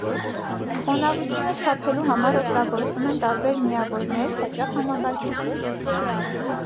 Խոնավությունը չափելու համար օգտագործում են տարբեր միավորներ, հաճախ համակարգից դուրս։